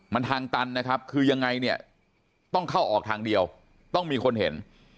มันทางตันนะครับคือยังไงเนี่ยต้องเข้าออกทางเดียวต้องมีคนเห็น